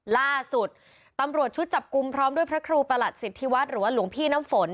ล่าสุดตำรวจชุดจับกลุ่มพร้อมด้วยพระครูประหลัดสิทธิวัฒน์หรือว่าหลวงพี่น้ำฝน